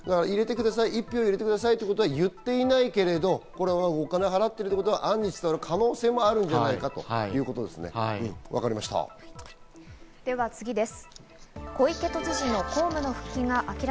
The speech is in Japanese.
１票入れてくださいってことは言っていないけれど、お金を払っているということを伝える可能性もあるんじゃないかとでは次です。